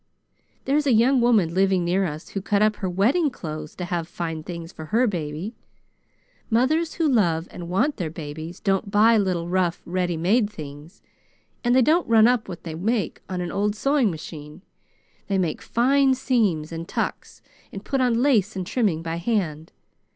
There's a young woman living near us who cut up her wedding clothes to have fine things for her baby. Mothers who love and want their babies don't buy little rough, ready made things, and they don't run up what they make on an old sewing machine. They make fine seams, and tucks, and put on lace and trimming by hand.